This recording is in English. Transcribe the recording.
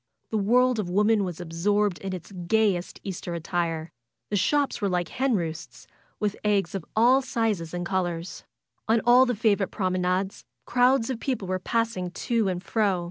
The world of woman was abroad in its gayest Easter attire. The shops were like hen roosts, with eggs of all sizes and colors. On all the favorite prom enades, crowds of people were passing to and fro.